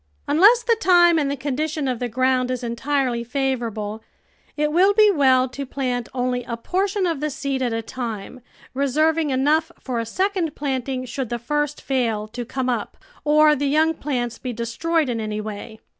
Unless the time and the condition of the ground is entirely favourable, it will be well to plant only a portion of the seed at a time, reserving enough for a second planting should the first fail to come up or the young plants be destroyed in any way.